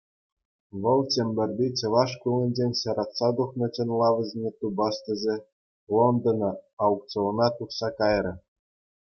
Вӑл Чӗмпӗрти чӑваш шкулӗнчен ҫаратса тухнӑ чӑнлавсене тупас тесе, Лондона аукциона тухса кайрӗ.